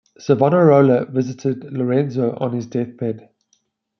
Savonarola visited Lorenzo on his death bed.